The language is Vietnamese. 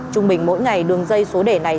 trung bình mỗi ngày đường dây số đề này